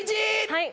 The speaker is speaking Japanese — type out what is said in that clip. はい。